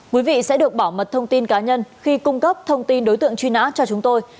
quý vị sẽ được bảo mật thông tin cá nhân khi cung cấp thông tin đối tượng truy nã cho chúng tôi